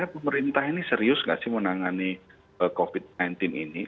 pemerintah ini serius gak sih menangani covid sembilan belas ini